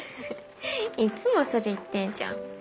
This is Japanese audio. いつもそれ言ってんじゃん。